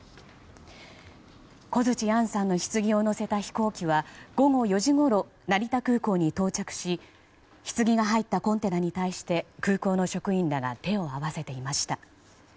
小槌杏さんのひつぎを乗せた飛行機は午後４時ごろ、成田空港に到着しひつぎが入ったコンテナに対して空港の職員らが手を合わせていました。